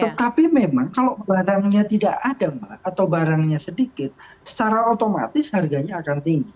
tetapi memang kalau barangnya tidak ada mbak atau barangnya sedikit secara otomatis harganya akan tinggi